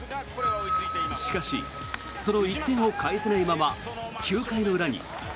しかし、その１点を返せないまま９回の裏に。